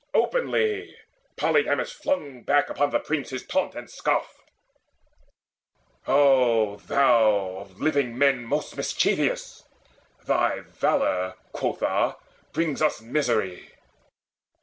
Openly Polydamas Flung back upon the prince his taunt and scoff: "O thou of living men most mischievous! Thy valour quotha! brings us misery!